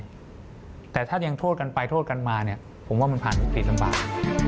แต่ถ้ายังโทษกันไปโทษกันมาเนี่ยผมว่ามันผ่านวิกฤตลำบาก